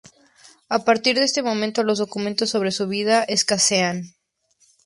A partir de este momento los documentos sobre su vida escasean.